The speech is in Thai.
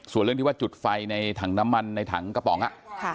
ส่วนเรื่องที่ว่าจุดไฟในถังน้ำมันในถังกระป๋องอ่ะ